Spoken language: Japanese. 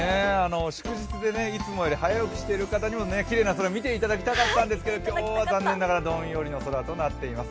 祝日でいつもより早起きしている方にもきれいな空見ていただきたかったんですが、今日は残念ながらどんよりの空になっています。